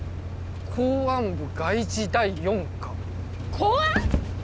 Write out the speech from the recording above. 公安部外事第４課公安！？